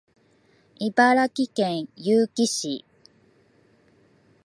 茨城県結城市